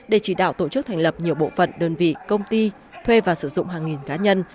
để chỉ đạo tổ chức thành lập nhiều bộ phận đơn vị công ty thuê và sử dụng hàng nghìn cá nhân